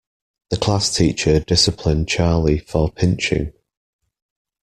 The classteacher disciplined Charlie for pinching.